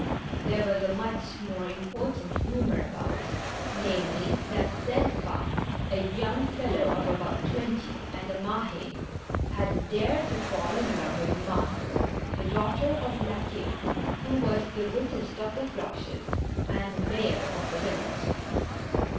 There was a much more import ant rumor about, namely, that Delphin, a young fellow of about twenty, and a Mah^, had dared to fall in love with Margot, the daughter of La Queue, who was the richest of the Floches, and mayor of the village.